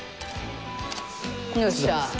よっしゃ！